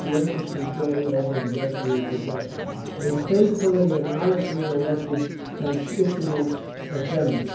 Workers' control over industrial production. A faithfully and honestly elected Constituent Assembly.